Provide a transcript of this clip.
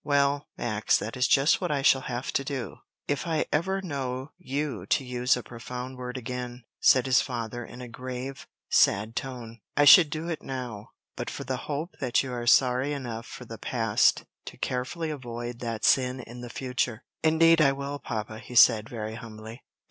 "Well, Max, that is just what I shall have to do, if I ever know you to use a profane word again," said his father, in a grave, sad tone. "I should do it now, but for the hope that you are sorry enough for the past to carefully avoid that sin in the future." "Indeed I will, papa," he said, very humbly.